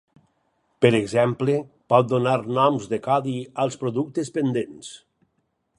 Per exemple, pot donar noms de codi als productes pendents.